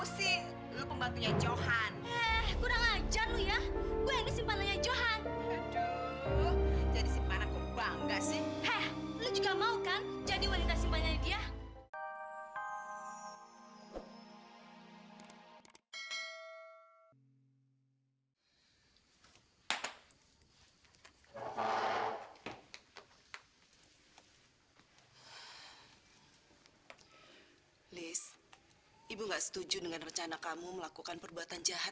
sampai jumpa di video selanjutnya